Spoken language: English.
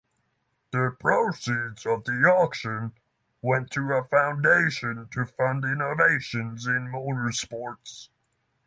The proceeds of the auction went to a foundation to fund innovations in motorsports.